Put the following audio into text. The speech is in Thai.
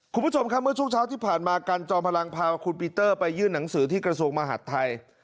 คุณผู้ชมครับเมื่อช่วงเช้าที่ผ่านมากันจอมพลังพาคุณปีเตอร์ไปยื่นหนังสือที่กระทรวงมหาดไทย